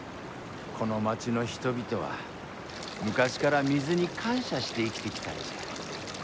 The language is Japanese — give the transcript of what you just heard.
この町の人々は昔から水に感謝して生きてきたんじゃ。